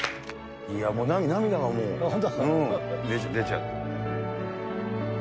もう涙がもう、出ちゃう。